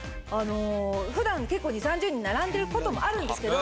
普段結構２０３０人並んでることもあるんですけど。